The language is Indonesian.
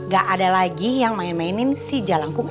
gak ada lagi yang main mainin si jalangkung